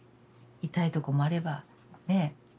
痛いとこもあればねえ